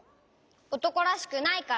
おとこらしくないから！